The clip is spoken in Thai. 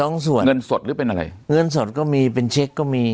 สองส่วนเงินสดหรือเป็นอะไรเงินสดก็มีเป็นเช็คก็มี